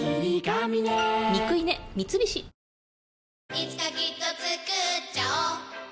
いつかきっとつくっちゃおう